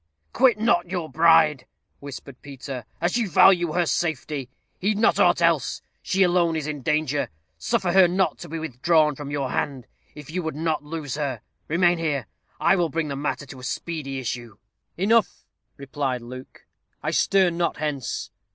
"Quit not your bride," whispered Peter, "as you value her safety. Heed not aught else. She alone is in danger. Suffer her not to be withdrawn from your hand, if you would not lose her. Remain here. I will bring the matter to a speedy issue." "Enough," replied Luke; "I stir not hence."